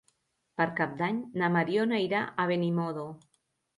Per Cap d'Any na Mariona irà a Benimodo.